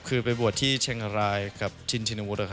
คือไปบวชที่เชียงรายกับชินชินวุฒิ